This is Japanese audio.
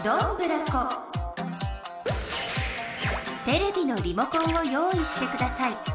テレビのリモコンを用意してください。